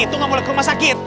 itu nggak boleh ke rumah sakit